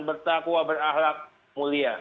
bertakwa berakhlak mulia